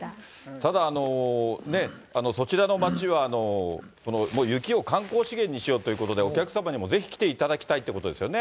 ただ、そちらの町はもう雪を観光資源にしようということで、お客様にもぜひ来ていただきたいということですよね。